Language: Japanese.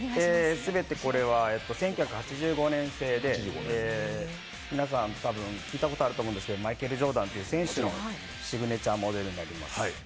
全てこれは１９８５年製で、皆さん、たぶん聞いたことがあると思うんですけど、マイケル・ジョーダンという選手のシグネチャーモデルになります。